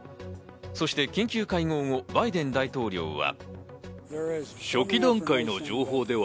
そして緊急会合後、バイデン大統領は。